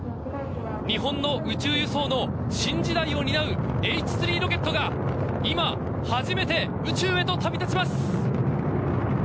日本の宇宙輸送の新時代を担うＨ３ロケットが今、初めて宇宙へと旅立ちます！